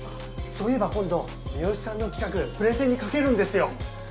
そういえば今度三好さんの企画プレゼンにかけるんですよ。